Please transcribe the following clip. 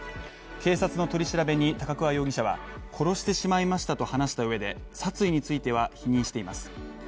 警察の取り調べに高桑容疑者は殺してしまいましたと話した上で殺意については否認しています。